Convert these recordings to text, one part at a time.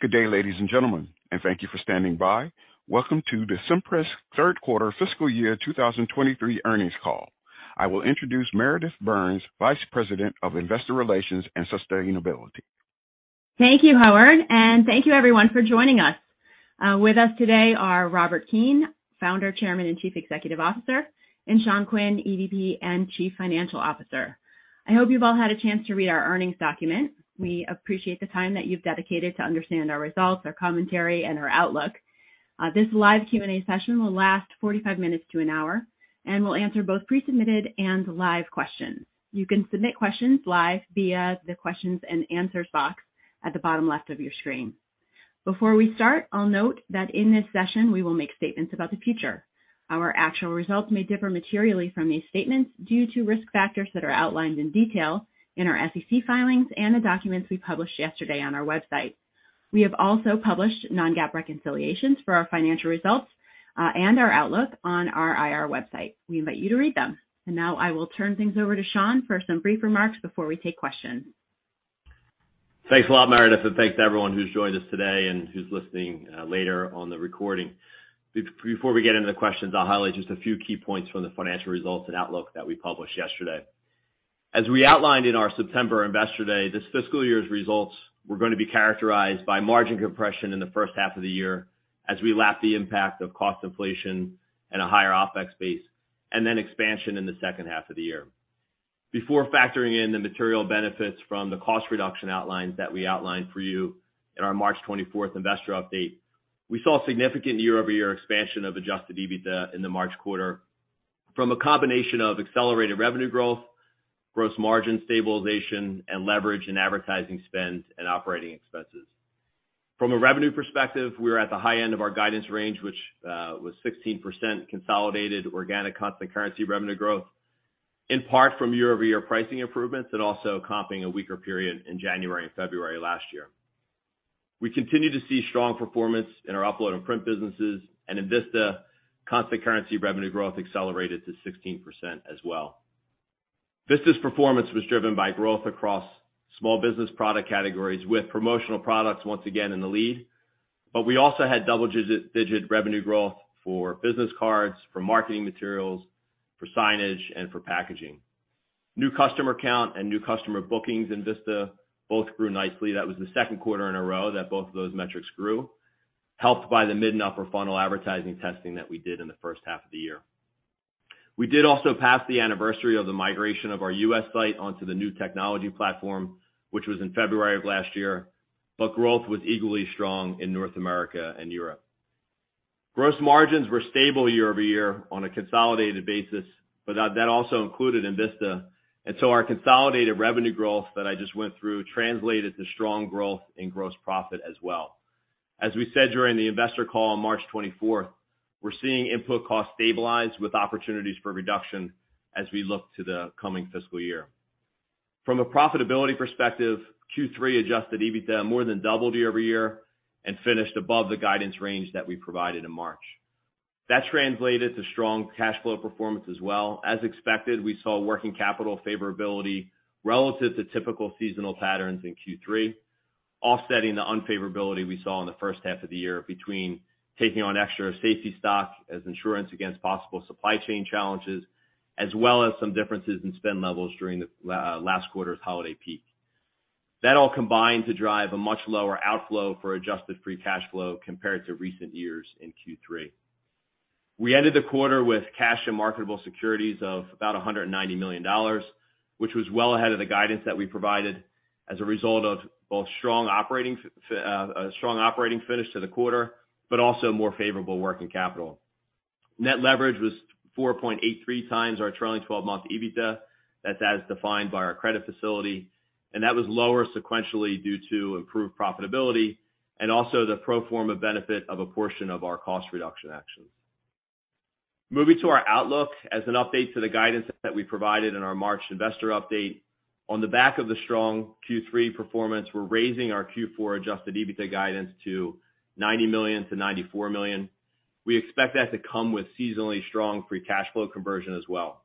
Good day, ladies and gentlemen, thank you for standing by. Welcome to the Cimpress third quarter fiscal year 2023 earnings call. I will introduce Meredith Burns, Vice President of Investor Relations and Sustainability. Thank you, Howard. Thank you everyone for joining us. With us today are Robert Keane, Founder, Chairman, and Chief Executive Officer, and Sean Quinn, EVP and Chief Financial Officer. I hope you've all had a chance to read our earnings document. We appreciate the time that you've dedicated to understand our results, our commentary, and our outlook. This live Q&A session will last 45 minutes to one hour, and we'll answer both pre-submitted and live questions. You can submit questions live via the questions and answers box at the bottom left of your screen. Before we start, I'll note that in this session, we will make statements about the future. Our actual results may differ materially from these statements due to risk factors that are outlined in detail in our SEC filings and the documents we published yesterday on our website. We have also published non-GAAP reconciliations for our financial results, and our outlook on our IR website. We invite you to read them. Now I will turn things over to Sean for some brief remarks before we take questions. Thanks a lot, Meredith, thanks to everyone who's joined us today and who's listening later on the recording. Before we get into the questions, I'll highlight just a few key points from the financial results and outlook that we published yesterday. As we outlined in our September Investor Day, this fiscal year's results were going to be characterized by margin compression in the first half of the year as we lap the impact of cost inflation and a higher OpEx base, then expansion in the second half of the year. Before factoring in the material benefits from the cost reduction outlines that we outlined for you in our March 24th investor update, we saw significant year-over-year expansion of adjusted EBITDA in the March quarter from a combination of accelerated revenue growth, gross margin stabilization, and leverage in advertising spend and operating expenses. From a revenue perspective, we were at the high end of our guidance range, which was 16% consolidated organic constant currency revenue growth, in part from year-over-year pricing improvements and also comping a weaker period in January and February last year. We continue to see strong performance in our Upload and Print businesses, and in Vista, constant currency revenue growth accelerated to 16% as well. Vista's performance was driven by growth across small business product categories with promotional products once again in the lead, but we also had double-digit revenue growth for business cards, for marketing materials, for signage, and for packaging. New customer count and new customer bookings in Vista both grew nicely. That was the second quarter in a row that both of those metrics grew, helped by the mid and upper funnel advertising testing that we did in the first half of the year. We did also pass the anniversary of the migration of our U.S. site onto the new technology platform, which was in February of last year, growth was equally strong in North America and Europe. Gross margins were stable year-over-year on a consolidated basis, that also included in Vista, our consolidated revenue growth that I just went through translated to strong growth in gross profit as well. As we said during the investor call on March 24th, we're seeing input costs stabilize with opportunities for reduction as we look to the coming fiscal year. From a profitability perspective, Q3 adjusted EBITDA more than doubled year-over-year and finished above the guidance range that we provided in March. That translated to strong cash flow performance as well. As expected, we saw working capital favorability relative to typical seasonal patterns in Q3, offsetting the unfavorability we saw in the first half of the year between taking on extra safety stock as insurance against possible supply chain challenges, as well as some differences in spend levels during the last quarter's holiday peak. That all combined to drive a much lower outflow for adjusted free cash flow compared to recent years in Q3. We ended the quarter with cash and marketable securities of about $190 million, which was well ahead of the guidance that we provided as a result of both a strong operating finish to the quarter, also more favorable working capital. Net leverage was 4.83x our trailing 12-month EBITDA. That's as defined by our credit facility, and that was lower sequentially due to improved profitability and also the pro forma benefit of a portion of our cost reduction actions. Moving to our outlook as an update to the guidance that we provided in our March investor update. On the back of the strong Q3 performance, we're raising our Q4 adjusted EBITDA guidance to $90 million-$94 million. We expect that to come with seasonally strong free cash flow conversion as well.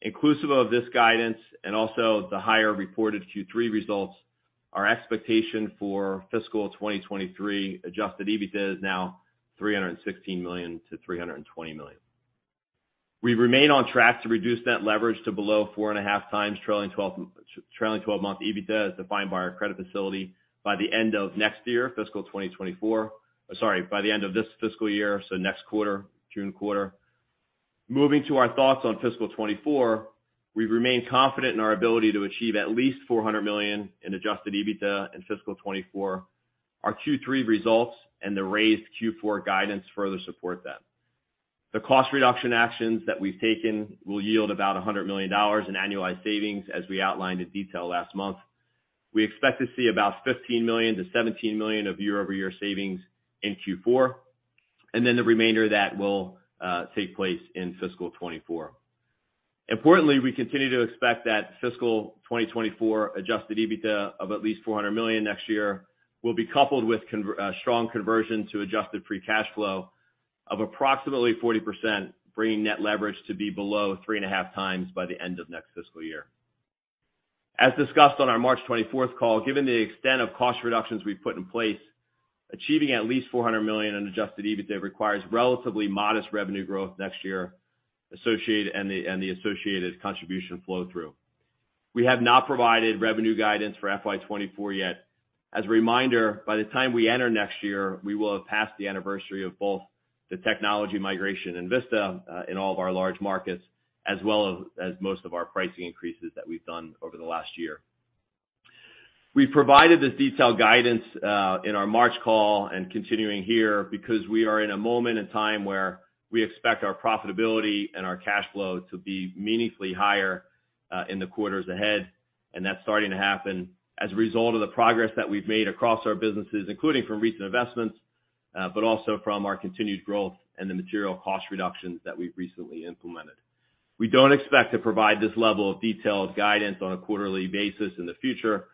Inclusive of this guidance and also the higher reported Q3 results, our expectation for fiscal 2023 adjusted EBITDA is now $316 million-$320 million. We remain on track to reduce net leverage to below 4.5x trailing 12-month EBITDA as defined by our credit facility by the end of next year, fiscal 2024. Sorry, by the end of this fiscal year, so next quarter, June quarter. Moving to our thoughts on fiscal 2024, we remain confident in our ability to achieve at least $400 million in adjusted EBITDA in fiscal 2024. Our Q3 results and the raised Q4 guidance further support that. The cost reduction actions that we've taken will yield about $100 million in annualized savings, as we outlined in detail last month. We expect to see about $15 million-$17 million of year-over-year savings in Q4, and then the remainder of that will take place in fiscal 2024. Importantly, we continue to expect that fiscal 2024 adjusted EBITDA of at least $400 million next year will be coupled with strong conversion to adjusted free cash flow of approximately 40%, bringing net leverage to be below 3.5x by the end of next fiscal year. As discussed on our March 24th call, given the extent of cost reductions we've put in place, achieving at least $400 million in adjusted EBITDA requires relatively modest revenue growth next year and the associated contribution flow through. We have not provided revenue guidance for FY 2024 yet. As a reminder, by the time we enter next year, we will have passed the anniversary of both the technology migration and Vista in all of our large markets, as well as most of our pricing increases that we've done over the last year. We provided this detailed guidance in our March call and continuing here because we are in a moment in time where we expect our profitability and our cash flow to be meaningfully higher in the quarters ahead, and that's starting to happen as a result of the progress that we've made across our businesses, including from recent investments, but also from our continued growth and the material cost reductions that we've recently implemented. We don't expect to provide this level of detailed guidance on a quarterly basis in the future,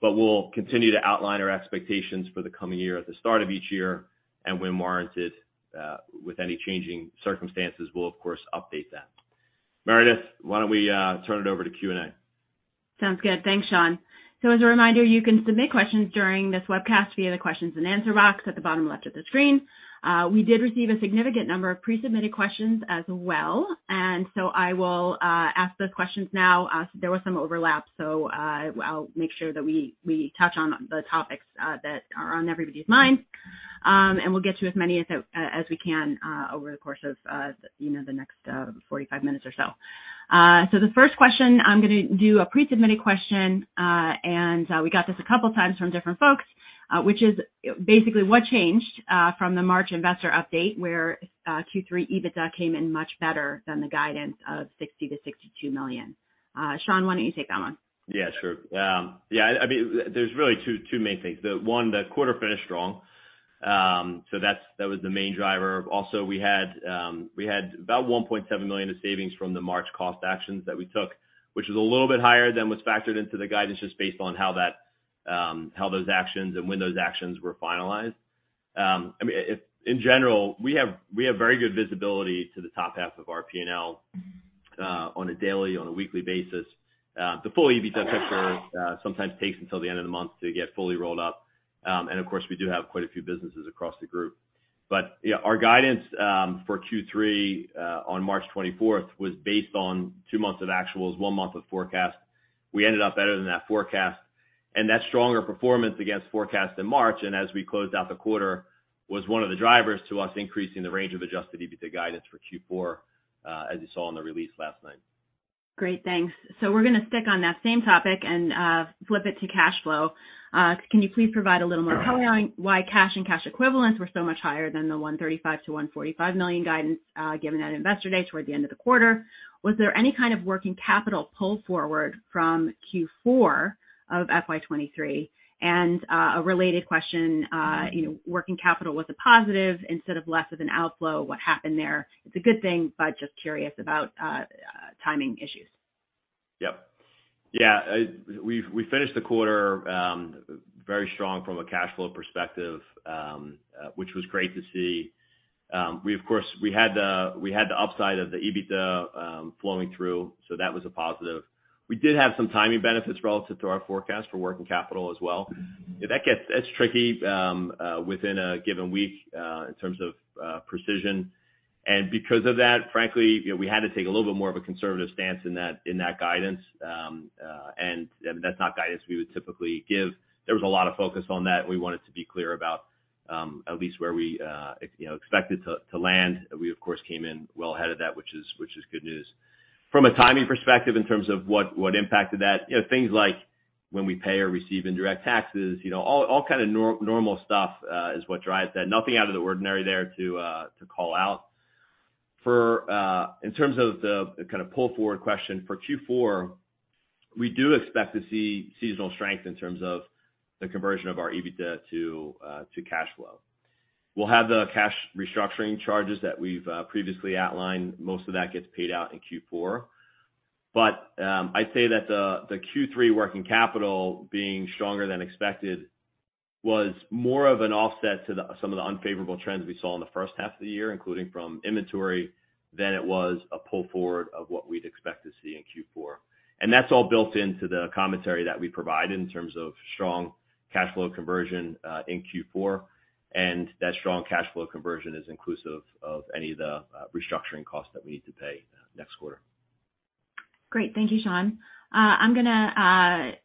but we'll continue to outline our expectations for the coming year at the start of each year and when warranted, with any changing circumstances, we'll of course update that. Meredith, why don't we, turn it over to Q&A? Sounds good. Thanks, Sean. As a reminder, you can submit questions during this webcast via the questions and answer box at the bottom left of the screen. We did receive a significant number of pre-submitted questions as well. I will ask those questions now. There was some overlap, so I'll make sure that we touch on the topics that are on everybody's mind. We'll get to as many as we can over the course of, you know, the next 45 minutes or so. The first question, I'm gonna do a pre-submitted question, and we got this a couple times from different folks, which is basically what changed from the March investor update where Q3 EBITDA came in much better than the guidance of $60 million-$62 million? Sean, why don't you take that one? Yeah, sure. I mean, there's really two main things. The one, the quarter finished strong, so that was the main driver. Also, we had about $1.7 million of savings from the March cost actions that we took, which is a little bit higher than was factored into the guidance just based on how that, how those actions and when those actions were finalized. I mean, in general, we have very good visibility to the top half of our P&L on a daily, on a weekly basis. The full EBITDA picture sometimes takes until the end of the month to get fully rolled up. Of course, we do have quite a few businesses across the group. Yeah, our guidance for Q3 on March 24th was based on two months of actuals, one month of forecast. We ended up better than that forecast, and that stronger performance against forecast in March, and as we closed out the quarter, was one of the drivers to us increasing the range of adjusted EBITDA guidance for Q4, as you saw in the release last night. Great. Thanks. We're gonna stick on that same topic and flip it to cash flow. Can you please provide a little more coloring why cash and cash equivalents were so much higher than the $135 million-$145 million guidance given at Investor Day toward the end of the quarter? Was there any kind of working capital pull forward from Q4 of FY 2023? A related question, you know, working capital was a positive instead of less of an outflow. What happened there? It's a good thing, but just curious about timing issues. Yep. Yeah, we finished the quarter, very strong from a cash flow perspective, which was great to see. We of course, we had the upside of the EBITDA flowing through, so that was a positive. We did have some timing benefits relative to our forecast for working capital as well. That's tricky within a given week in terms of precision. Because of that, frankly, you know, we had to take a little bit more of a conservative stance in that, in that guidance. That's not guidance we would typically give. There was a lot of focus on that. We wanted to be clear about, at least where we, you know, expected to land. We of course came in well ahead of that, which is good news. From a timing perspective in terms of what impacted that, you know, things like when we pay or receive indirect taxes, you know, all kind of normal stuff is what drives that. Nothing out of the ordinary there to call out. In terms of the kind of pull forward question for Q4, we do expect to see seasonal strength in terms of the conversion of our EBITDA to cash flow. We'll have the cash restructuring charges that we've previously outlined. Most of that gets paid out in Q4. I'd say that the Q3 working capital being stronger than expected was more of an offset to some of the unfavorable trends we saw in the first half of the year, including from inventory, than it was a pull forward of what we'd expect to see in Q4. That's all built into the commentary that we provide in terms of strong cash flow conversion in Q4. That strong cash flow conversion is inclusive of any of the restructuring costs that we need to pay next quarter. Great. Thank you, Sean. I'm gonna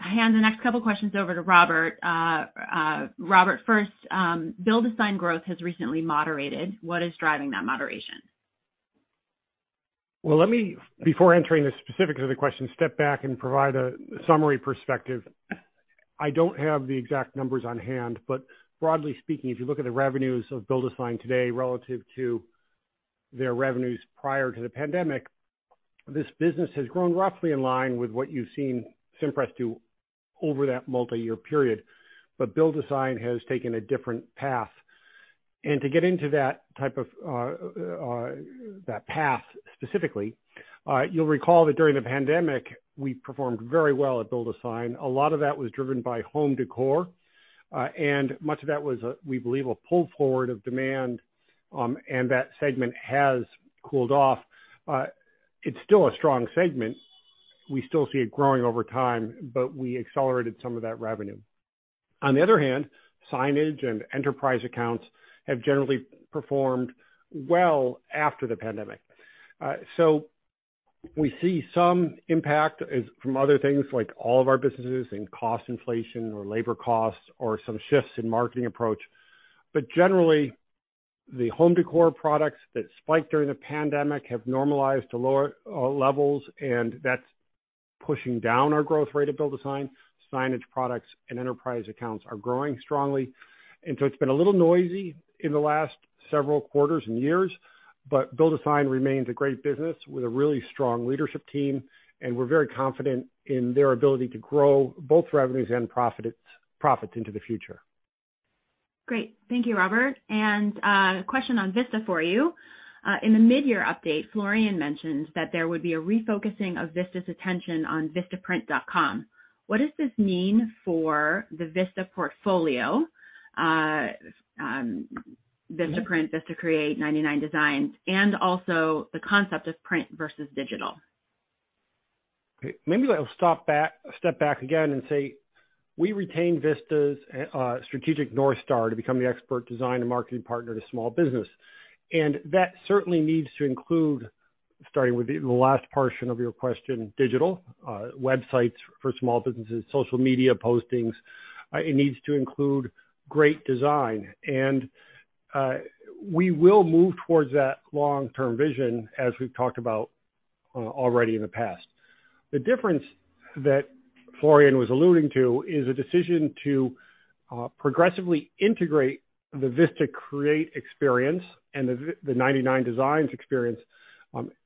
hand the next couple questions over to Robert. Robert, first, BuildASign growth has recently moderated. What is driving that moderation? Well, let me, before entering the specifics of the question, step back and provide a summary perspective. I don't have the exact numbers on hand, but broadly speaking, if you look at the revenues of BuildASign today relative to their revenues prior to the pandemic, this business has grown roughly in line with what you've seen Cimpress do over that multi-year period. BuildASign has taken a different path. To get into that type of that path specifically, you'll recall that during the pandemic, we performed very well at BuildASign. A lot of that was driven by home decor, and much of that was, we believe, a pull forward of demand. That segment has cooled off. It's still a strong segment. We still see it growing over time, but we accelerated some of that revenue. On the other hand, signage and enterprise accounts have generally performed well after the pandemic. We see some impact is from other things like all of our businesses in cost inflation or labor costs or some shifts in marketing approach. Generally, the home decor products that spiked during the pandemic have normalized to lower levels, and that's pushing down our growth rate at BuildASign. Signage products and enterprise accounts are growing strongly. It's been a little noisy in the last several quarters and years, BuildASign remains a great business with a really strong leadership team, and we're very confident in their ability to grow both revenues and profits into the future. Great. Thank you, Robert. Question on Vista for you? In the mid-year update, Florian mentioned that there would be a refocusing of Vista's attention on vistaprint.com. What does this mean for the Vista portfolio, VistaPrint, VistaCreate, 99designs, and also the concept of print versus digital? Okay. Maybe I'll step back again and say we retain Vista's strategic North Star to become the expert design and marketing partner to small business. That certainly needs to include, starting with the last portion of your question, digital websites for small businesses, social media postings. It needs to include great design, and we will move towards that long-term vision as we've talked about already in the past. The difference that Florian was alluding to is a decision to progressively integrate the VistaCreate experience and the 99designs experience,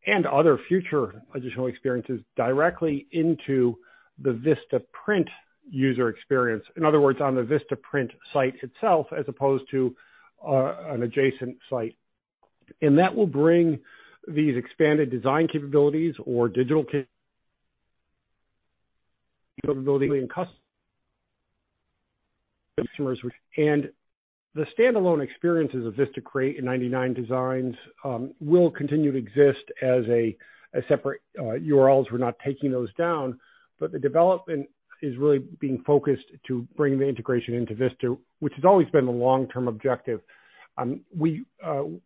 and other future additional experiences directly into the VistaPrint user experience, in other words, on the VistaPrint site itself, as opposed to an adjacent site. That will bring these expanded design capabilities or digital capability in customers which the standalone experiences of VistaCreate and 99designs will continue to exist as a separate URLs. We're not taking those down. The development is really being focused to bring the integration into Vista, which has always been the long-term objective. We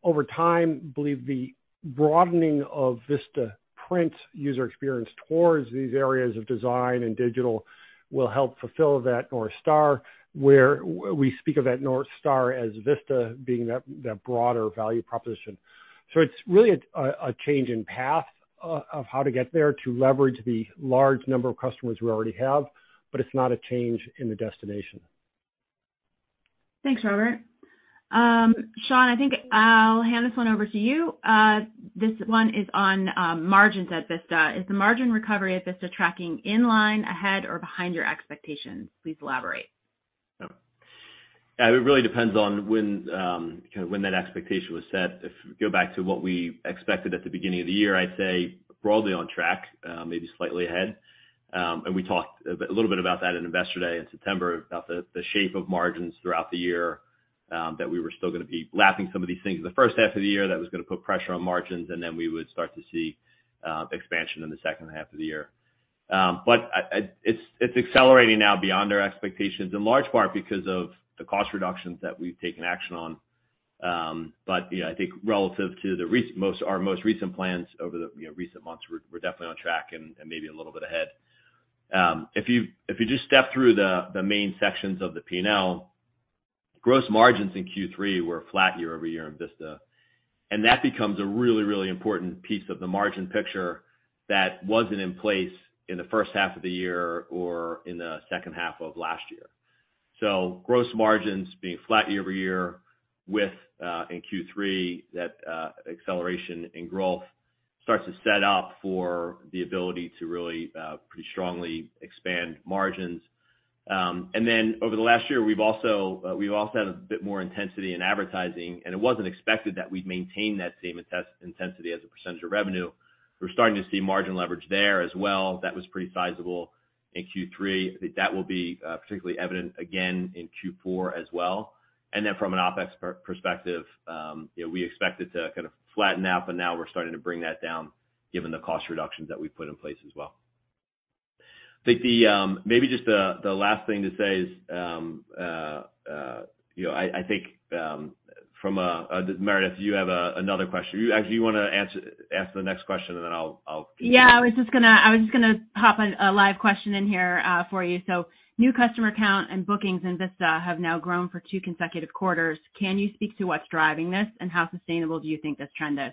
over time believe the broadening of VistaPrint user experience towards these areas of design and digital will help fulfill that North Star, where we speak of that North Star as Vista being that broader value proposition. It's really a change in path of how to get there to leverage the large number of customers we already have. It's not a change in the destination. Thanks, Robert. Sean, I think I'll hand this one over to you. This one is on margins at Vista. Is the margin recovery at Vista tracking in line, ahead, or behind your expectations? Please elaborate. Yeah. It really depends on when, kind of when that expectation was set. If we go back to what we expected at the beginning of the year, I'd say broadly on track, maybe slightly ahead. We talked a little bit about that in Investor Day in September, about the shape of margins throughout the year, that we were still gonna be lapping some of these things in the first half of the year that was gonna put pressure on margins, and then we would start to see expansion in the second half of the year. It's accelerating now beyond our expectations, in large part because of the cost reductions that we've taken action on. Yeah, I think relative to our most recent plans over the, you know, recent months, we're definitely on track and maybe a little bit ahead. If you, if you just step through the main sections of the P&L, gross margins in Q3 were flat year-over-year in Vista. That becomes a really important piece of the margin picture that wasn't in place in the first half of the year or in the second half of last year. Gross margins being flat year-over-year with in Q3, that acceleration in growth starts to set up for the ability to really pretty strongly expand margins. Over the last year, we've also had a bit more intensity in advertising, and it wasn't expected that we'd maintain that same intensity as a percent of revenue. We're starting to see margin leverage there as well. That was pretty sizable in Q3. I think that will be particularly evident again in Q4 as well. From an OpEx perspective, you know, we expect it to kind of flatten out, but now we're starting to bring that down given the cost reductions that we've put in place as well. I think the maybe just the last thing to say is, you know, I think from a Meredith, do you have another question? Do you ask the next question, and then I'll keep going? Yeah. I was just gonna pop a live question in here for you. New customer count and bookings in Vista have now grown for two consecutive quarters. Can you speak to what's driving this, and how sustainable do you think this trend is?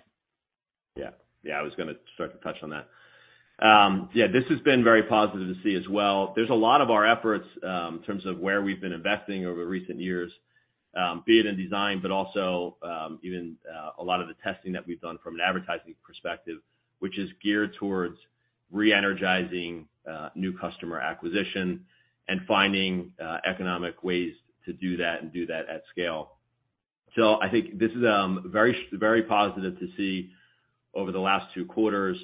Yeah. Yeah. I was gonna start to touch on that. Yeah, this has been very positive to see as well. There's a lot of our efforts in terms of where we've been investing over recent years, be it in design, but also, even, a lot of the testing that we've done from an advertising perspective, which is geared towards re-energizing new customer acquisition and finding economic ways to do that and do that at scale. I think this is very positive to see over the last two quarters.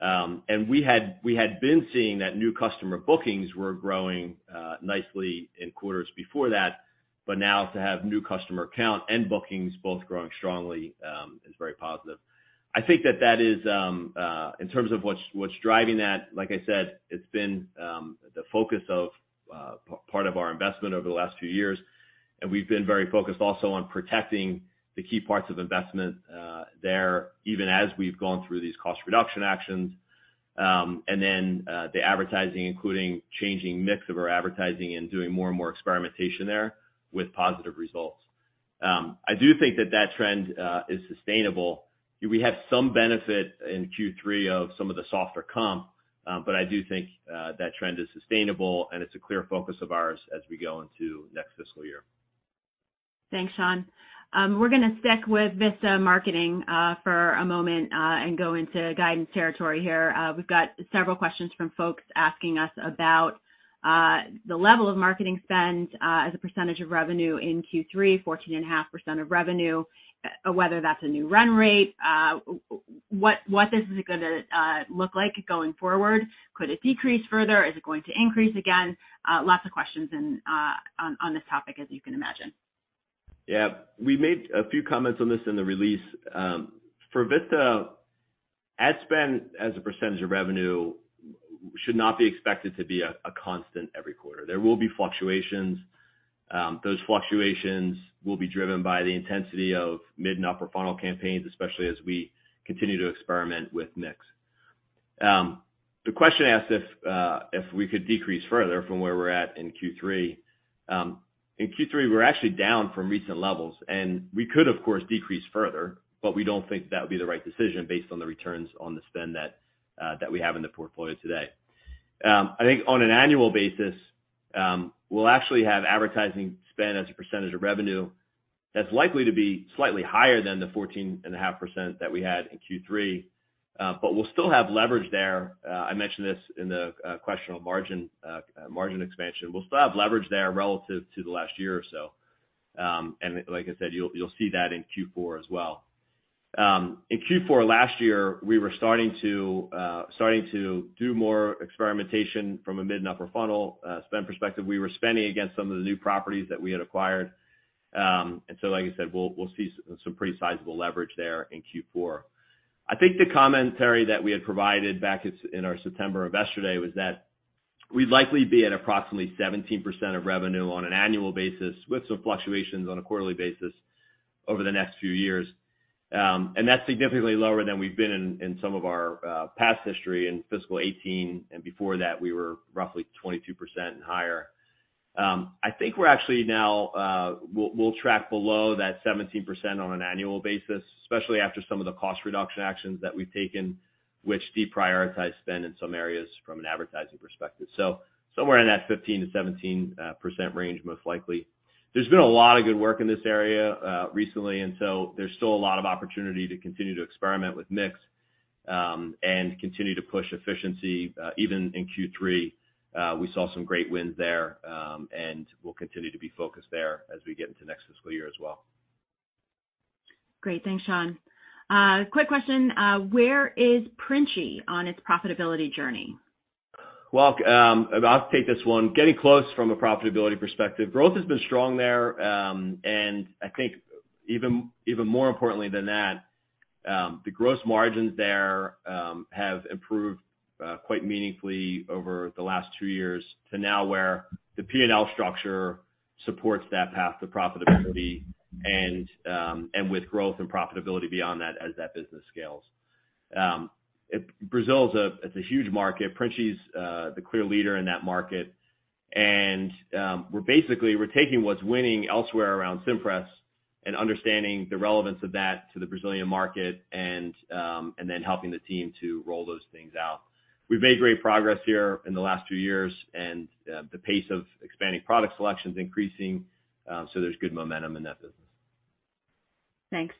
We had been seeing that new customer bookings were growing nicely in quarters before that. Now to have new customer count and bookings both growing strongly, is very positive. I think that that is, in terms of what's driving that, like I said, it's been the focus of part of our investment over the last few years. We've been very focused also on protecting the key parts of investment there, even as we've gone through these cost reduction actions. The advertising, including changing mix of our advertising and doing more and more experimentation there with positive results. I do think that that trend is sustainable. We had some benefit in Q3 of some of the softer comp, I do think that trend is sustainable and it's a clear focus of ours as we go into next fiscal year. Thanks, Sean. We're gonna stick with Vista marketing for a moment and go into guidance territory here. We've got several questions from folks asking us about the level of marketing spend as a percentage of revenue in Q3, 14.5% of revenue. Whether that's a new run rate, what is it gonna look like going forward? Could it decrease further? Is it going to increase again? Lots of questions and on this topic, as you can imagine. Yeah. We made a few comments on this in the release. For Vista, ad spend as a percentage of revenue should not be expected to be a constant every quarter. There will be fluctuations. Those fluctuations will be driven by the intensity of mid and upper funnel campaigns, especially as we continue to experiment with mix. The question asked if we could decrease further from where we're at in Q3. In Q3, we're actually down from recent levels, and we could, of course, decrease further, but we don't think that would be the right decision based on the returns on the spend that we have in the portfolio today. I think on an annual basis, we'll actually have advertising spend as a percentage of revenue that's likely to be slightly higher than the 14.5% that we had in Q3, but we'll still have leverage there. I mentioned this in the question on margin expansion. We'll still have leverage there relative to the last year or so. Like I said, you'll see that in Q4 as well. In Q4 last year, we were starting to do more experimentation from a mid and upper funnel spend perspective. We were spending against some of the new properties that we had acquired. So, like I said, we'll see some pretty sizable leverage there in Q4. I think the commentary that we had provided back in our September investor day was that we'd likely be at approximately 17% of revenue on an annual basis, with some fluctuations on a quarterly basis over the next few years. That's significantly lower than we've been in some of our past history in FY 2018 and before that, we were roughly 22% and higher. I think we're actually now we'll track below that 17% on an annual basis, especially after some of the cost reduction actions that we've taken, which deprioritize spend in some areas from an advertising perspective. Somewhere in that 15%-17% range, most likely. There's been a lot of good work in this area recently, and so there's still a lot of opportunity to continue to experiment with mix and continue to push efficiency. Even in Q3, we saw some great wins there, and we'll continue to be focused there as we get into next fiscal year as well. Great. Thanks, Sean. Quick question. Where is Printi on its profitability journey? I'll take this one. Getting close from a profitability perspective. Growth has been strong there, and I think even more importantly than that, the gross margins there have improved quite meaningfully over the last two years to now where the P&L structure supports that path to profitability and with growth and profitability beyond that as that business scales. Brazil is a huge market. Printi's the clear leader in that market. We're basically, we're taking what's winning elsewhere around Cimpress and understanding the relevance of that to the Brazilian market and then helping the team to roll those things out. We've made great progress here in the last few years, and the pace of expanding product selection is increasing, so there's good momentum in that business. Thanks.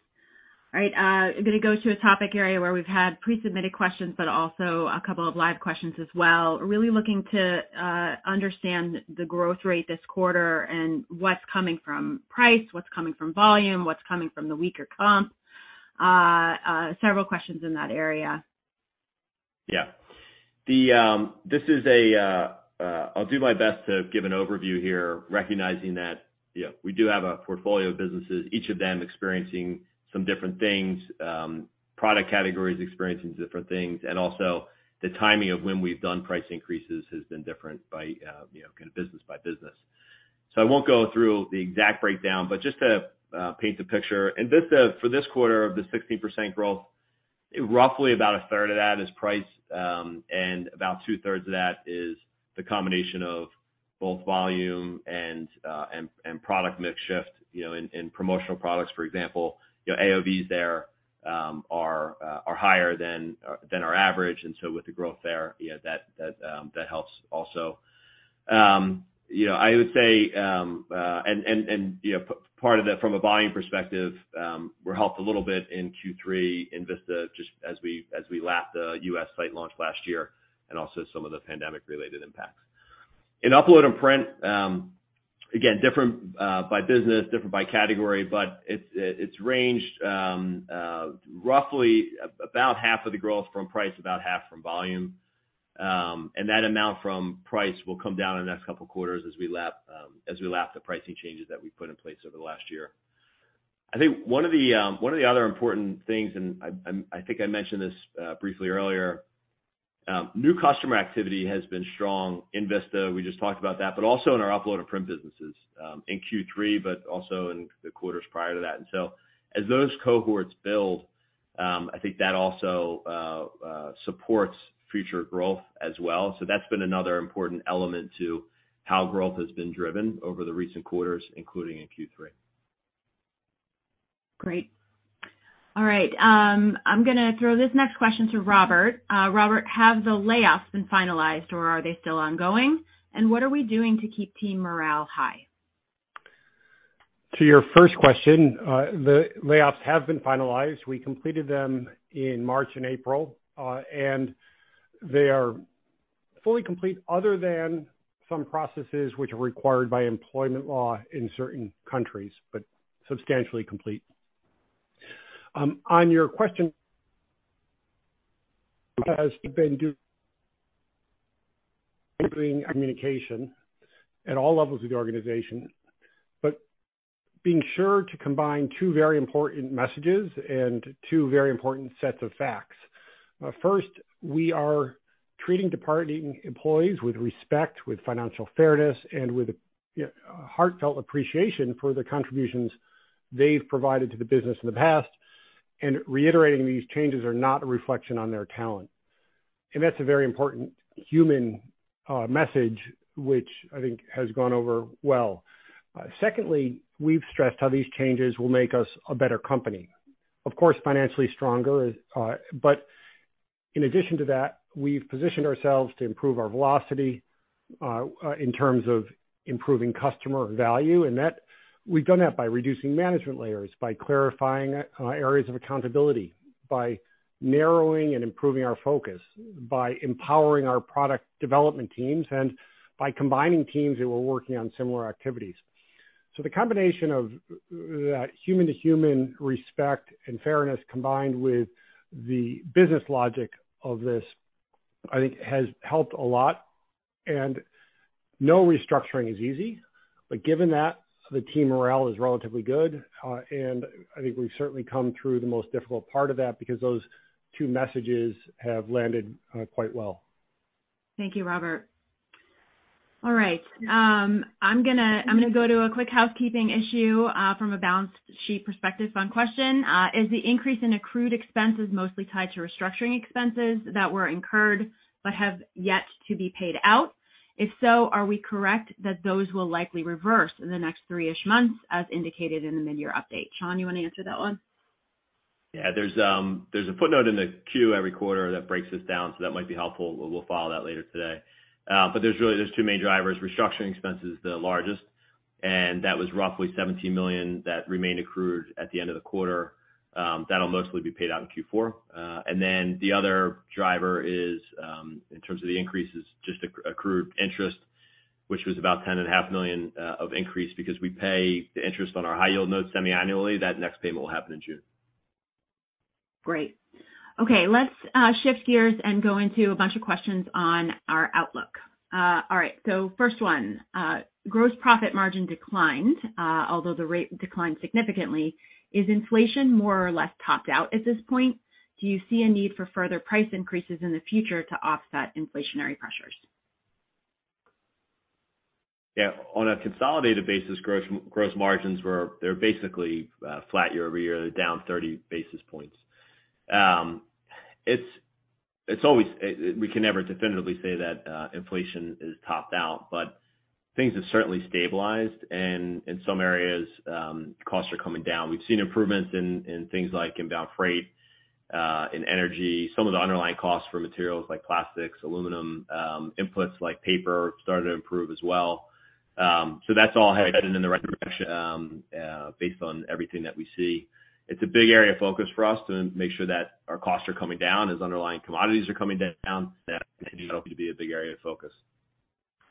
All right, I'm gonna go to a topic area where we've had pre-submitted questions, but also a couple of live questions as well. Really looking to understand the growth rate this quarter and what's coming from price, what's coming from volume, what's coming from the weaker comps, several questions in that area. Yeah. I'll do my best to give an overview here, recognizing that, you know, we do have a portfolio of businesses, each of them experiencing some different things, product categories experiencing different things, and also the timing of when we've done price increases has been different by, you know, kind of business by business. I won't go through the exact breakdown, but just to paint the picture. In Vista, for this quarter of the 16% growth, roughly about 1/3 of that is price, and about two-thirds of that is the combination of both volume and product mix shift. You know, in promotional products, for example, you know, AOV there, are higher than our average. With the growth there, you know, that, that helps also. You know, I would say, and, you know, part of that from a volume perspective, were helped a little bit in Q3 in Vista, just as we, as we lapped the U.S. site launch last year and also some of the pandemic-related impacts. In Upload and Print, again, different by business, different by category, but it's ranged, roughly about half of the growth from price, about half from volume. And that amount from price will come down in the next couple of quarters as we lap, as we lap the pricing changes that we put in place over the last year. I think one of the, one of the other important things, and I think I mentioned this, briefly earlier, new customer activity has been strong in Vista, we just talked about that, but also in our Upload and Print businesses, in Q3, but also in the quarters prior to that. As those cohorts build, I think that also supports future growth as well. That's been another important element to how growth has been driven over the recent quarters, including in Q3. Great. All right. I'm gonna throw this next question to Robert. Robert, have the layoffs been finalized, or are they still ongoing? What are we doing to keep team morale high? To your first question, the layoffs have been finalized. We completed them in March and April, and they are fully complete other than some processes which are required by employment law in certain countries, but substantially complete. On your question has been including communication at all levels of the organization, but being sure to combine two very important messages and two very important sets of facts. First, we are treating departing employees with respect, with financial fairness, and with a heartfelt appreciation for the contributions they've provided to the business in the past, and reiterating these changes are not a reflection on their talent. That's a very important human message, which I think has gone over well. Secondly, we've stressed how these changes will make us a better company. Of course, financially stronger, but in addition to that, we've positioned ourselves to improve our velocity in terms of improving customer value. That, we've done that by reducing management layers, by clarifying areas of accountability, by narrowing and improving our focus, by empowering our product development teams, and by combining teams that were working on similar activities. The combination of human-to-human respect and fairness combined with the business logic of this, I think has helped a lot. No restructuring is easy, but given that, the team morale is relatively good. I think we've certainly come through the most difficult part of that because those two messages have landed quite well. Thank you, Robert. All right. I'm gonna go to a quick housekeeping issue from a balance sheet perspective on question. Is the increase in accrued expenses mostly tied to restructuring expenses that were incurred but have yet to be paid out? If so, are we correct that those will likely reverse in the next three-ish months as indicated in the mid-year update? Sean, you wanna answer that one? Yeah. There's a footnote in the Q every quarter that breaks this down, so that might be helpful. We'll follow that later today. There's two main drivers. Restructuring expense is the largest, and that was roughly $17 million that remained accrued at the end of the quarter. That'll mostly be paid out in Q4. Then the other driver is in terms of the increases, just accrued interest, which was about $10.5 million of increase because we pay the interest on our high yield notes semi-annually. That next payment will happen in June. Great. Okay, let's shift gears and go into a bunch of questions on our outlook. All right, first one, gross profit margin declined, although the rate declined significantly. Is inflation more or less topped out at this point? Do you see a need for further price increases in the future to offset inflationary pressures? Yeah. On a consolidated basis, gross margins were basically flat year-over-year. They're down 30 basis points. It's always, we can never definitively say that inflation is topped out, but things have certainly stabilized. In some areas, costs are coming down. We've seen improvements in things like inbound freight, in energy. Some of the underlying costs for materials like plastics, aluminum, inputs like paper started to improve as well. That's all heading in the right direction based on everything that we see. It's a big area of focus for us to make sure that our costs are coming down. As underlying commodities are coming down, that continues to be a big area of focus.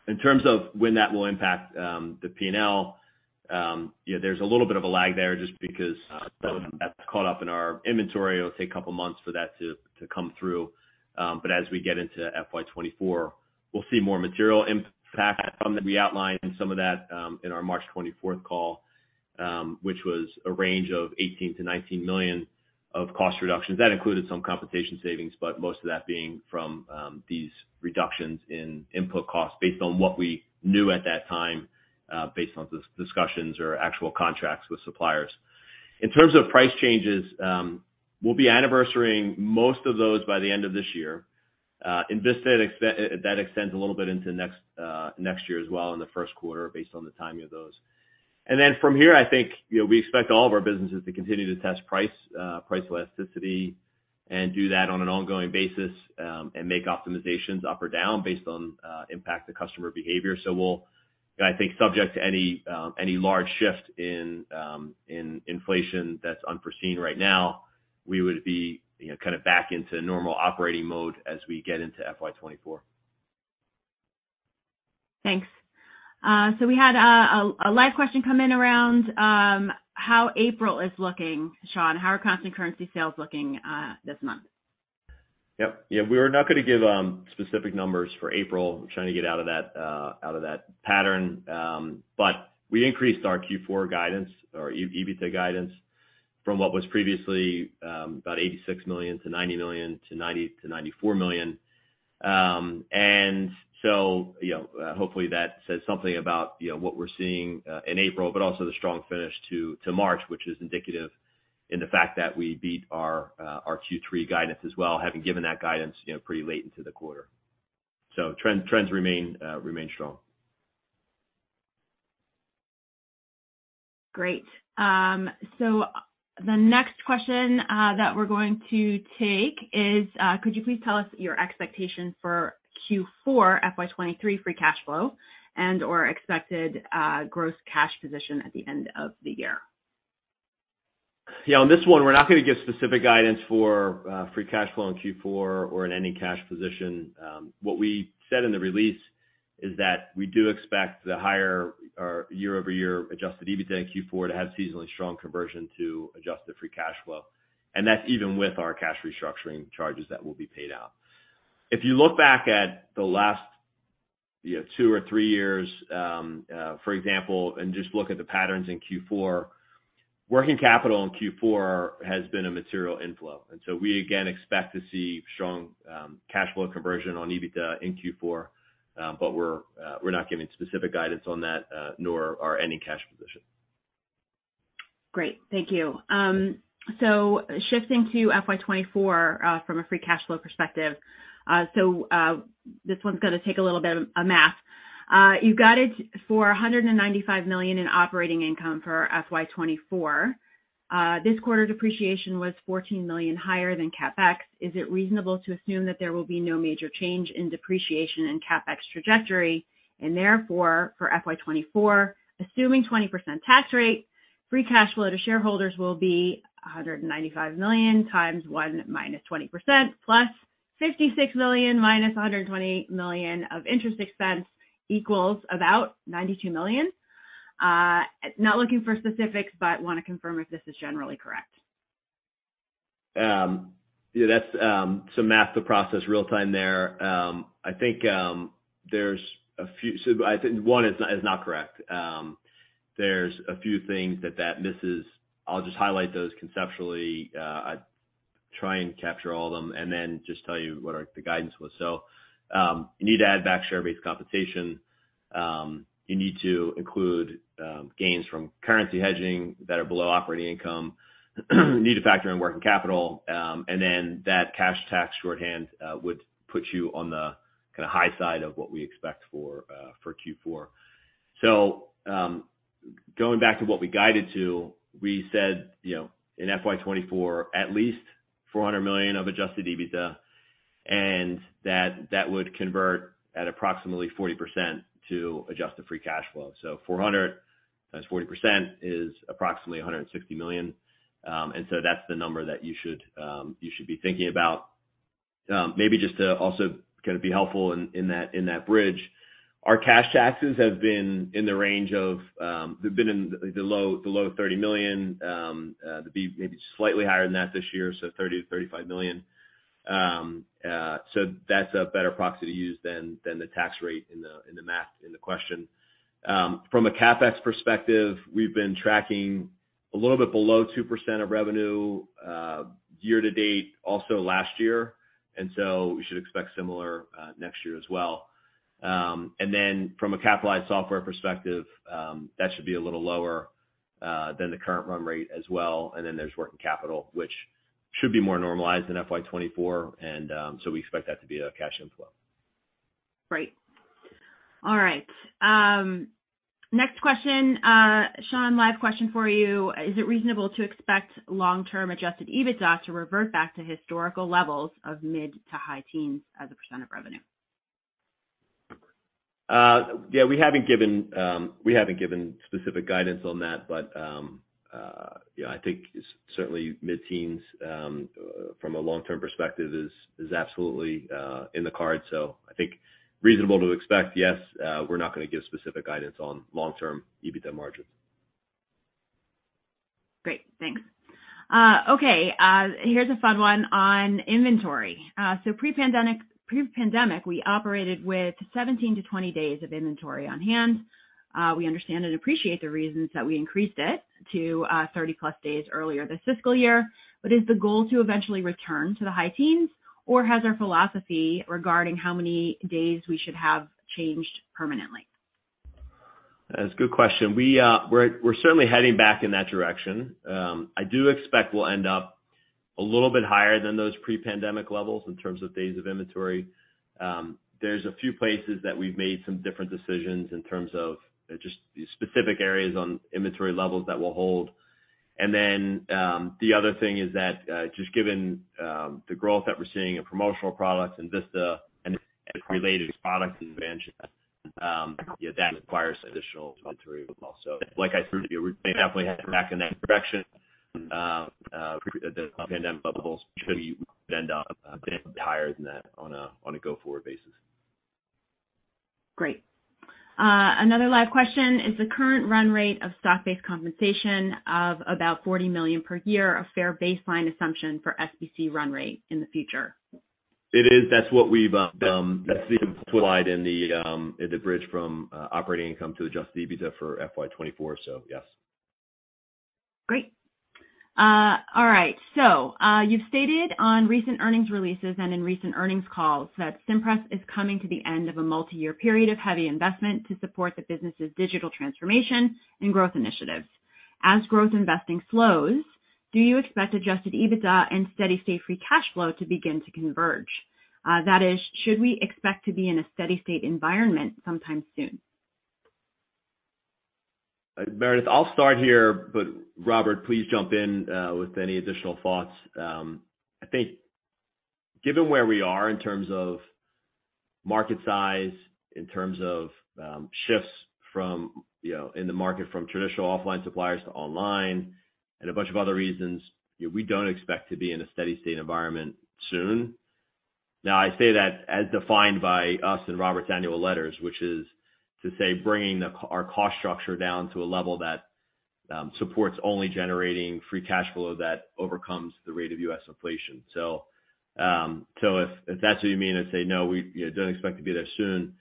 In terms of when that will impact the P&L, there's a little bit of a lag there just because some of that's caught up in our inventory. It'll take a couple of months for that to come through. As we get into FY 2024, we'll see more material impact from that. We outlined some of that in our March 24th call, which was a range of $18 million-$19 million of cost reductions. That included some compensation savings, but most of that being from these reductions in input costs based on what we knew at that time, based on discussions or actual contracts with suppliers. In terms of price changes, we'll be anniversarying most of those by the end of this year. In Vista, that extends a little bit into next year as well in the first quarter based on the timing of those. From here, I think, you know, we expect all of our businesses to continue to test price elasticity and do that on an ongoing basis, and make optimizations up or down based on impact to customer behavior. I think, subject to any large shift in inflation that's unforeseen right now, we would be, you know, kind of back into normal operating mode as we get into FY 2024. Thanks. We had a live question come in around how April is looking, Sean. How are constant currency sales looking this month? Yep. Yeah, we're not gonna give specific numbers for April. I'm trying to get out of that out of that pattern. We increased our Q4 guidance or EBITDA guidance from what was previously about $86 million-$90 million to $90 million-$94 million. Hopefully that says something about, you know, what we're seeing in April, but also the strong finish to March, which is indicative in the fact that we beat our Q3 guidance as well, having given that guidance, you know, pretty late into the quarter. Trends remain strong. Great. The next question that we're going to take is, could you please tell us your expectation for Q4 FY 2023 free cash flow and/or expected gross cash position at the end of the year? Yeah, on this one, we're not gonna give specific guidance for free cash flow in Q4 or in any cash position. What we said in the release is that we do expect the higher or year-over-year adjusted EBITDA in Q4 to have seasonally strong conversion to adjusted free cash flow. That's even with our cash restructuring charges that will be paid out. If you look back at the last, you know, two or three years, for example, and just look at the patterns in Q4, working capital in Q4 has been a material inflow. We again expect to see strong cash flow conversion on EBITDA in Q4, but we're not giving specific guidance on that, nor our ending cash position. Great. Thank you. Shifting to FY 2024 from a free cash flow perspective. This one's gonna take a little bit of a math. You guided for $195 million in operating income for FY 2024. This quarter depreciation was $14 million higher than CapEx. Is it reasonable to assume that there will be no major change in depreciation and CapEx trajectory? Therefore, for FY 2024, assuming 20% tax rate, free cash flow to shareholders will be $195 million x 1 - 20% + $56 million - $120 million of interest expense equals about $92 million. Not looking for specifics, but wanna confirm if this is generally correct. Yeah, that's some math to process real time there. I think one, it's not correct. There's a few things that that misses. I'll just highlight those conceptually. I'll try and capture all of them, and then just tell you what our, the guidance was. You need to add back share-based compensation. You need to include gains from currency hedging that are below operating income. You need to factor in working capital, and then that cash tax shorthand would put you on the kinda high side of what we expect for Q4. Going back to what we guided to, we said, you know, in FY 2024, at least $400 million of adjusted EBITDA, and that would convert at approximately 40% to adjusted free cash flow. 400 x 40% is approximately $160 million. That's the number that you should be thinking about. Maybe just to also gonna be helpful in that bridge, our cash taxes have been in the range of, they've been in the low $30 million, to be maybe slightly higher than that this year, so $30 million-$35 million. That's a better proxy to use than the tax rate in the math in the question. From a CapEx perspective, we've been tracking a little bit below 2% of revenue, year to date, also last year, so we should expect similar next year as well. From a capitalized software perspective, that should be a little lower than the current run rate as well. There's working capital, which should be more normalized in FY 2024. So we expect that to be a cash inflow. Great. All right. Next question, Sean, live question for you. Is it reasonable to expect long-term adjusted EBITDA to revert back to historical levels of mid to high teens as a percent of revenue? Yeah, we haven't given specific guidance on that. Yeah, I think certainly mid-teens from a long-term perspective is absolutely in the cards. I think reasonable to expect, yes, we're not gonna give specific guidance on long-term EBITDA margins. Great. Thanks. Okay, here's a fun one on inventory. Pre-pandemic, we operated with 17-20 days of inventory on hand. We understand and appreciate the reasons that we increased it to 30+ days earlier this fiscal year. Is the goal to eventually return to the high teens, or has our philosophy regarding how many days we should have changed permanently? That's a good question. We're certainly heading back in that direction. I do expect we'll end up a little bit higher than those pre-pandemic levels in terms of days of inventory. There's a few places that we've made some different decisions in terms of just the specific areas on inventory levels that we'll hold. The other thing is that, just given the growth that we're seeing in promotional products and Vista and related products expansion, you know, that requires additional inventory. Like I said to you, we're definitely heading back in that direction. The pandemic bubbles should end up a bit higher than that on a go-forward basis. Great. Another live question. Is the current run rate of stock-based compensation of about $40 million per year a fair baseline assumption for SBC run rate in the future? It is. That's what we've, that's applied in the in the bridge from operating income to adjusted EBITDA for FY 2024, so yes. Great. All right. You've stated on recent earnings releases and in recent earnings calls that Cimpress is coming to the end of a multi-year period of heavy investment to support the business' digital transformation and growth initiatives. As growth investing slows, do you expect adjusted EBITDA and steady-state free cash flow to begin to converge? That is, should we expect to be in a steady-state environment sometime soon? Meredith, I'll start here. Robert, please jump in with any additional thoughts. I think given where we are in terms of market size, in terms of shifts from, you know, in the market from traditional offline suppliers to online and a bunch of other reasons, you know, we don't expect to be in a steady-state environment soon. I say that as defined by us in Robert's annual letters, which is to say, bringing our cost structure down to a level that supports only generating free cash flow that overcomes the rate of U.S. inflation. So if that's what you mean, I'd say no, we don't expect to be there soon.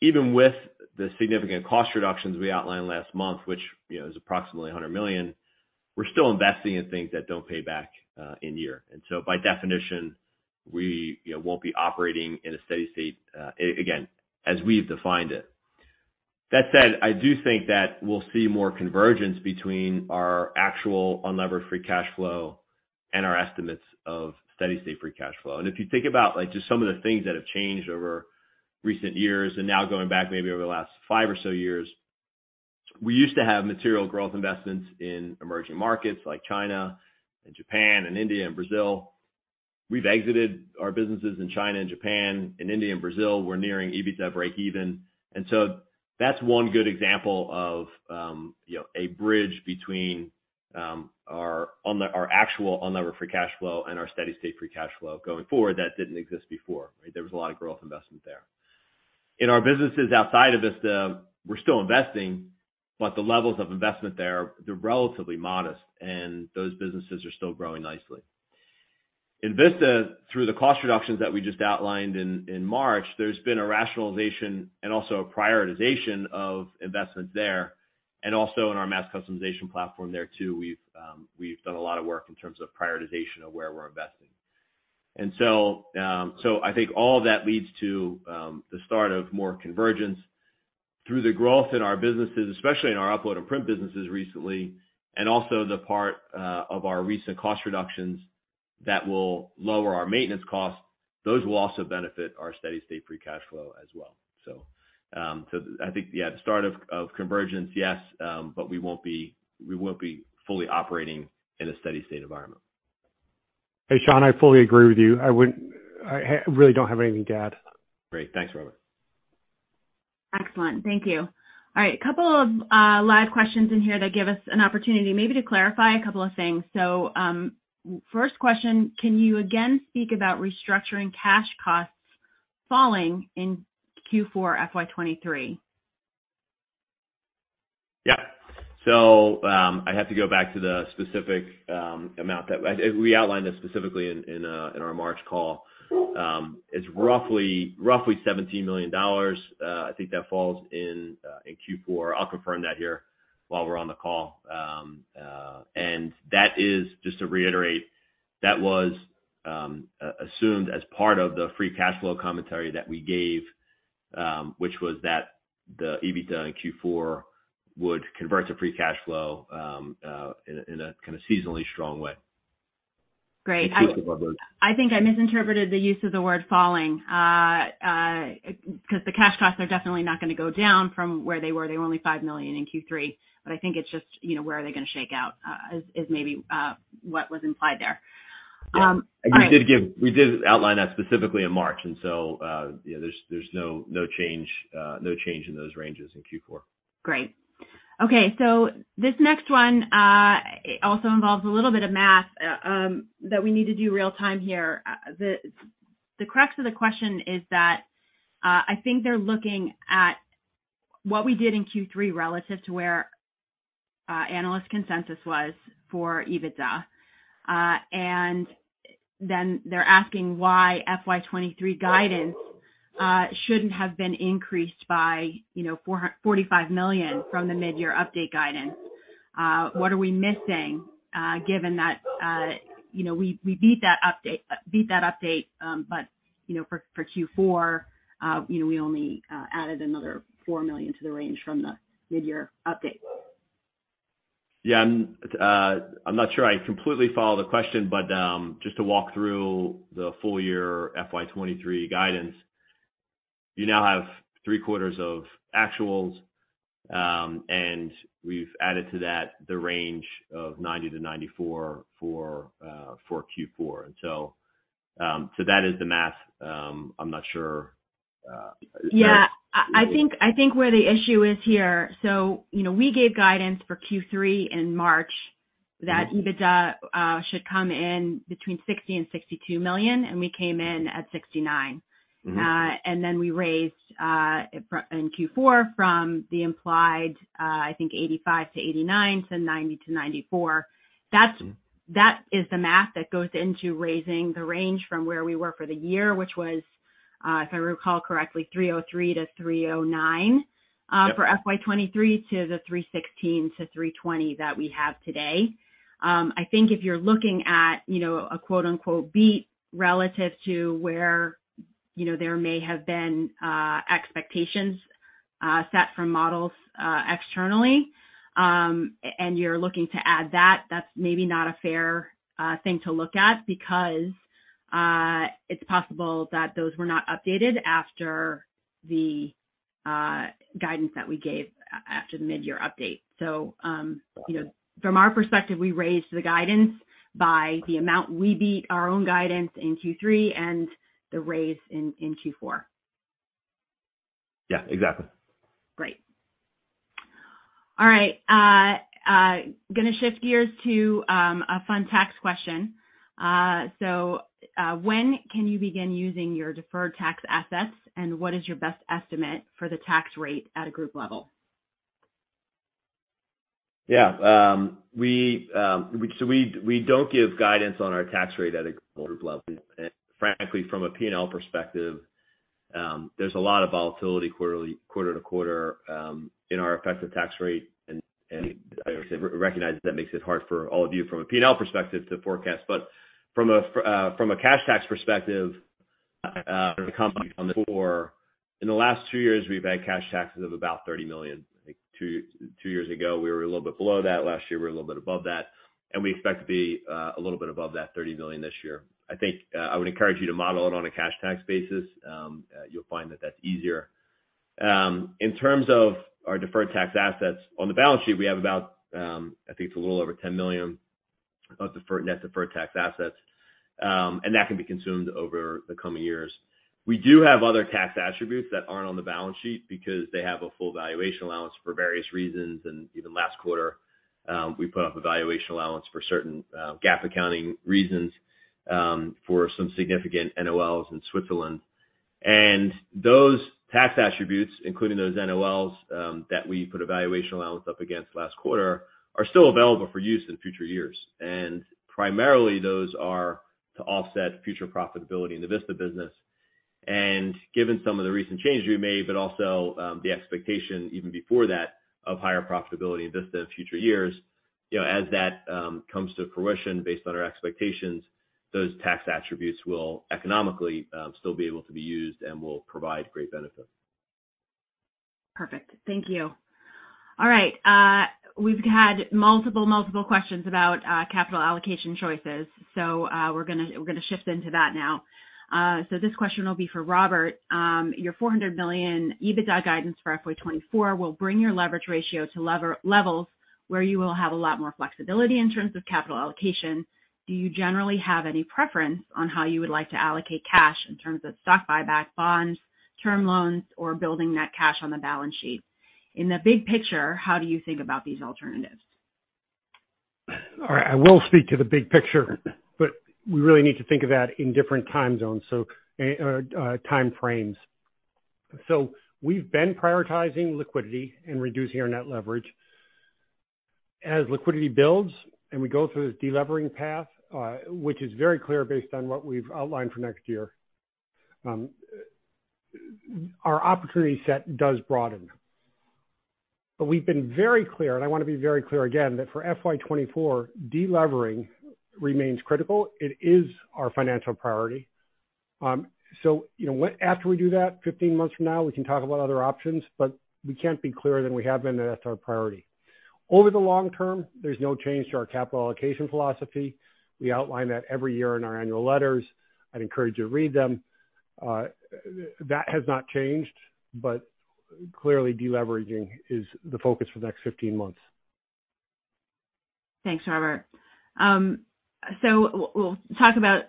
Even with the significant cost reductions we outlined last month, which, you know, is approximately $100 million, we're still investing in things that don't pay back in year. So by definition, we, you know, won't be operating in a steady-state again, as we've defined it. That said, I do think that we'll see more convergence between our actual unlevered free cash flow and our estimates of steady-state free cash flow. If you think about, like, just some of the things that have changed over recent years and now going back maybe over the last five or so years, we used to have material growth investments in emerging markets like China and Japan and India and Brazil. We've exited our businesses in China and Japan. In India and Brazil, we're nearing EBITDA breakeven. That's one good example of, you know, a bridge between our actual unlevered free cash flow and our steady-state free cash flow going forward that didn't exist before. There was a lot of growth investment there. In our businesses outside of Vista, we're still investing, but the levels of investment there, they're relatively modest, and those businesses are still growing nicely. In Vista, through the cost reductions that we just outlined in March, there's been a rationalization and also a prioritization of investments there. Also in our mass customization platform there too, we've done a lot of work in terms of prioritization of where we're investing. I think all that leads to the start of more convergence through the growth in our businesses, especially in our Upload and Print businesses recently, and also the part of our recent cost reductions that will lower our maintenance costs. Those will also benefit our steady-state free cash flow as well. I think, yeah, the start of convergence, yes, but we won't be fully operating in a steady-state environment. Hey, Sean, I fully agree with you. I really don't have anything to add. Great. Thanks, Robert. Excellent. Thank you. All right. A couple of live questions in here that give us an opportunity maybe to clarify a couple of things. First question, can you again speak about restructuring cash costs falling in Q4 FY 2023? I have to go back to the specific amount that we outlined this specifically in our March call. It's roughly $17 million. I think that falls in Q4. I'll confirm that here while we're on the call. That is just to reiterate, that was assumed as part of the free cash flow commentary that we gave, which was that the EBITDA in Q4 would convert to free cash flow in a kinda seasonally strong way. Great. I think I misinterpreted the use of the word falling, 'cause the cash costs are definitely not gonna go down from where they were. They were only $5 million in Q3. I think it's just, you know, where are they gonna shake out, is maybe, what was implied there. All right. We did outline that specifically in March. You know, there's no change, no change in those ranges in Q4. Great. Okay. This next one, also involves a little bit of math that we need to do real-time here. The crux of the question is that, I think they're looking at what we did in Q3 relative to where analyst consensus was for EBITDA. They're asking why FY 2023 guidance shouldn't have been increased by, you know, $45 million from the mid-year update guidance. What are we missing, given that, you know, we beat that update, for Q4, you know, we only added another $4 million to the range from the mid-year update. Yeah. I'm not sure I completely follow the question, but just to walk through the full-year FY 2023 guidance. You now have three quarters of actuals, and we've added to that the range of $90-$94 for Q4. So that is the math. I'm not sure. Yeah. I think where the issue is here. You know, we gave guidance for Q3 in March that EBITDA should come in between $60 million and $62 million, and we came in at $69 million. We raised in Q4 from the implied, I think $85-$89 to $90-$94. That is the math that goes into raising the range from where we were for the year, which was, if I recall correctly, $303 million-$309 million for FY 2023 to the $316 million-$320 million that we have today. I think if you're looking at, you know, a quote-unquote beat relative to where, you know, there may have been expectations set for models externally, and you're looking to add that's maybe not a fair thing to look at because it's possible that those were not updated after the guidance that we gave after the midyear update. You know, from our perspective, we raised the guidance by the amount we beat our own guidance in Q3 and the raise in Q4. Yeah. Exactly. Great. All right. Gonna shift gears to a fun tax question. When can you begin using your deferred tax assets, and what is your best estimate for the tax rate at a group level? We don't give guidance on our tax rate at a group level. Frankly, from a P&L perspective, there's a lot of volatility quarterly, quarter to quarter, in our effective tax rate. I would say recognize that makes it hard for all of you from a P&L perspective to forecast. From a cash tax perspective, the company In the last two years, we've had cash taxes of about $30 million. Like two years ago, we were a little bit below that. Last year, we were a little bit above that, and we expect to be a little bit above that $30 million this year. I would encourage you to model it on a cash tax basis. You'll find that that's easier. In terms of our deferred tax assets, on the balance sheet, we have about, I think it's a little over $10 million of deferred, net deferred tax assets, and that can be consumed over the coming years. We do have other tax attributes that aren't on the balance sheet because they have a full valuation allowance for various reasons. Even last quarter, we put up a valuation allowance for certain GAAP accounting reasons, for some significant NOLs in Switzerland. Those tax attributes, including those NOLs, that we put a valuation allowance up against last quarter, are still available for use in future years. Primarily, those are to offset future profitability in the Vista business. Given some of the recent changes we've made, but also, the expectation even before that of higher profitability in Vista in future years, you know, as that comes to fruition based on our expectations, those tax attributes will economically still be able to be used and will provide great benefit. Perfect. Thank you. All right. We've had multiple questions about capital allocation choices, so we're gonna shift into that now. This question will be for Robert. Your $400 million EBITDA guidance for FY 2024 will bring your leverage ratio to levels where you will have a lot more flexibility in terms of capital allocation. Do you generally have any preference on how you would like to allocate cash in terms of stock buyback, bonds, term loans, or building that cash on the balance sheet? In the big picture, how do you think about these alternatives? All right. I will speak to the big picture, but we really need to think of that in different time zones, so time frames. We've been prioritizing liquidity and reducing our net leverage. As liquidity builds and we go through this delevering path, which is very clear based on what we've outlined for next year, our opportunity set does broaden. We've been very clear, and I wanna be very clear again, that for FY 2024, delevering remains critical. It is our financial priority. You know, after we do that 15 months from now, we can talk about other options, but we can't be clearer than we have been that that's our priority. Over the long term, there's no change to our capital allocation philosophy. We outline that every year in our annual letters. I'd encourage you to read them. That has not changed, but clearly, deleveraging is the focus for the next 15 months. Thanks, Robert. We'll talk about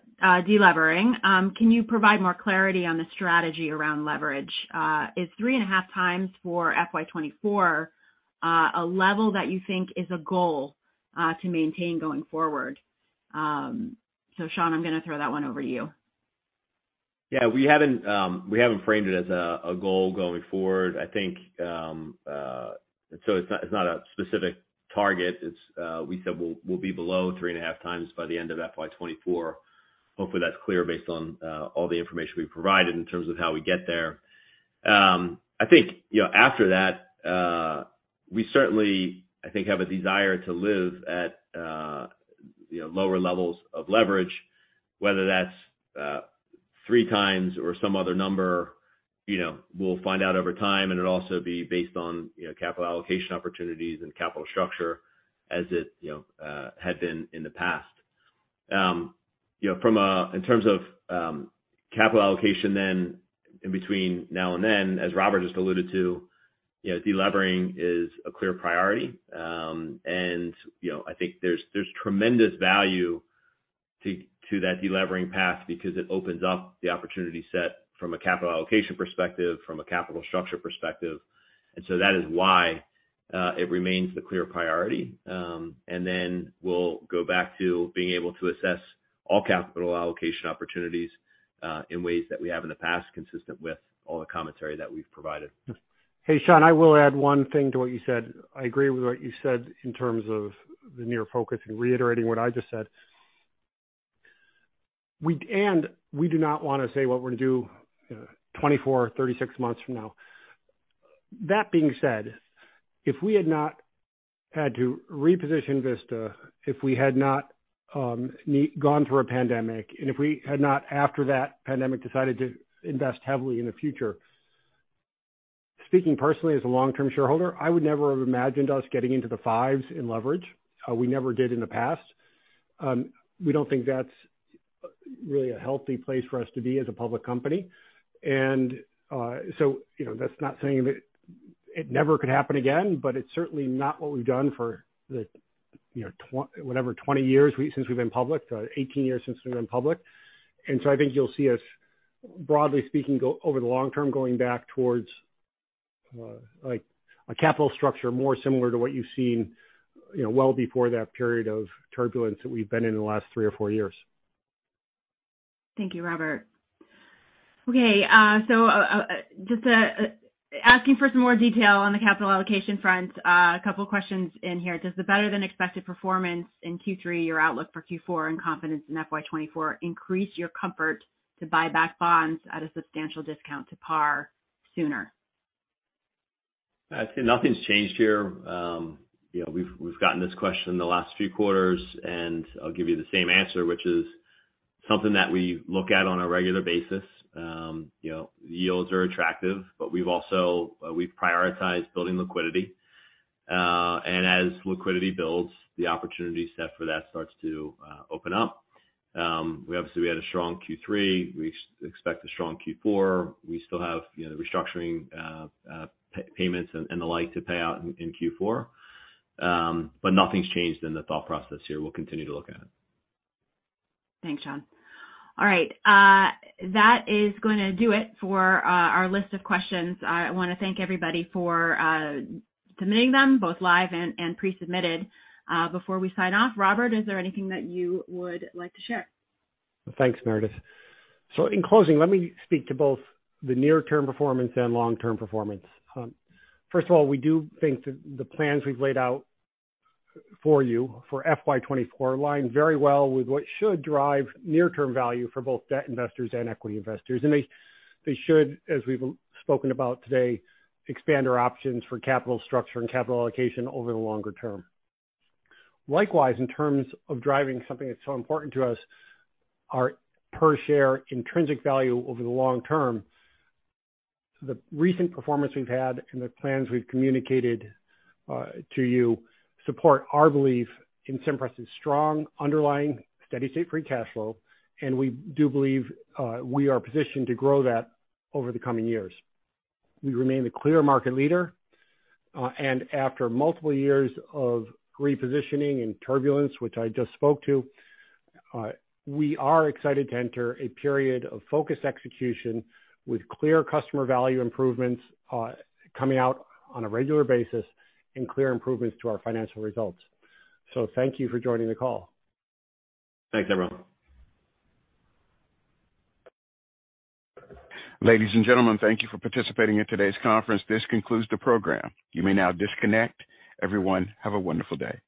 delevering. Can you provide more clarity on the strategy around leverage? Is 3.5x for FY 2024 a level that you think is a goal to maintain going forward? Sean, I'm gonna throw that one over to you. Yeah. We haven't, we haven't framed it as a goal going forward. I think, so it's not, it's not a specific target. It's, we said we'll be below 3.5x by the end of FY 2024. Hopefully, that's clear based on, all the information we've provided in terms of how we get there. I think, you know, after that, we certainly, I think, have a desire to live at, you know, lower levels of leverage, whether that's 3x or some other number, you know, we'll find out over time, and it'll also be based on, you know, capital allocation opportunities and capital structure as it, you know, had been in the past. You know, in terms of capital allocation then in between now and then, as Robert just alluded to, you know, delevering is a clear priority. You know, I think there's tremendous value to that delevering path because it opens up the opportunity set from a capital allocation perspective, from a capital structure perspective. That is why it remains the clear priority. Then we'll go back to being able to assess all capital allocation opportunities in ways that we have in the past, consistent with all the commentary that we've provided. Hey, Sean, I will add one thing to what you said. I agree with what you said in terms of the near focus and reiterating what I just said. We do not wanna say what we're gonna do 24, 36 months from now. That being said, if we had not had to reposition Vista, if we had not gone through a pandemic, and if we had not, after that pandemic, decided to invest heavily in the future, speaking personally, as a long-term shareholder, I would never have imagined us getting into the 5s in leverage. We never did in the past. We don't think that's really a healthy place for us to be as a public company. So, you know, that's not saying that it never could happen again, but it's certainly not what we've done for the, you know, whatever 20 years since we've been public, 18 years since we've been public. I think you'll see us, broadly speaking, over the long term, going back towards like a capital structure more similar to what you've seen, you know, well before that period of turbulence that we've been in in the last three or four years. Thank you, Robert. Just asking for some more detail on the capital allocation front, a couple of questions in here. Does the better-than-expected performance in Q3, your outlook for Q4 and confidence in FY 2024 increase your comfort to buy back bonds at a substantial discount to par sooner? I'd say nothing's changed here. You know, we've gotten this question the last few quarters. I'll give you the same answer, which is something that we look at on a regular basis. You know, yields are attractive, but we prioritize building liquidity. As liquidity builds, the opportunity set for that starts to open up. We obviously had a strong Q3. We expect a strong Q4. We still have, you know, restructuring, payments and the like to pay out in Q4. Nothing's changed in the thought process here. We'll continue to look at it. Thanks, Sean. All right, that is gonna do it for our list of questions. I wanna thank everybody for submitting them, both live and pre-submitted. Before we sign off, Robert, is there anything that you would like to share? Thanks, Meredith. In closing, let me speak to both the near-term performance and long-term performance. First of all, we do think that the plans we've laid out for you for FY 2024 align very well with what should drive near-term value for both debt investors and equity investors. They should, as we've spoken about today, expand our options for capital structure and capital allocation over the longer term. Likewise, in terms of driving something that's so important to us, our intrinsic value per share over the long term, the recent performance we've had and the plans we've communicated to you support our belief in Cimpress' strong underlying steady-state free cash flow, and we do believe we are positioned to grow that over the coming years. We remain the clear market leader, and after multiple years of repositioning and turbulence, which I just spoke to, we are excited to enter a period of focused execution with clear customer value improvements, coming out on a regular basis and clear improvements to our financial results. Thank you for joining the call. Thanks, everyone. Ladies and gentlemen, thank you for participating in today's conference. This concludes the program. You may now disconnect. Everyone, have a wonderful day.